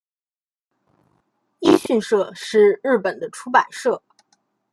一迅社是日本的出版社。